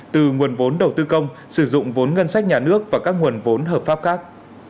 từ nguồn vốn đầu tư công sử dụng vốn ngân sách nhà nước và các nguồn vốn hợp pháp khác